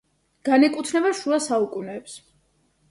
განეკუთვნება შუა საუკუნეებს.